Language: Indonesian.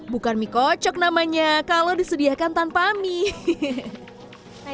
bukan mie kocok namanya kalau disediakan tanpa mie